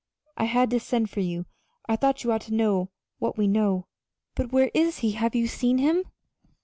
I had to send for you I thought you ought to know what we know." "But where is he? Have you seen him?"